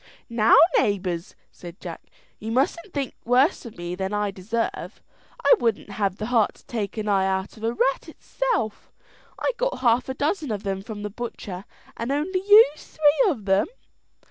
"Now, neighbours," said Jack, "you mustn't think worse of me than I deserve. I wouldn't have the heart to take an eye out of a rat itself; I got half a dozen of them from the butcher, and only used three of them."